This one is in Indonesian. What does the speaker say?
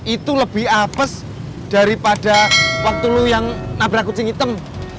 itu lebih apes daripada waktu lu yang nabrak kucing hitam